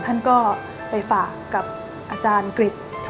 ท่านก็ไปฝากกับอาจารย์อังกฤษ